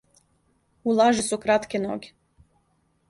У лажи су кратке ноге.